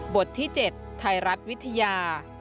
บทที่๗ไทยรัฐวิทยา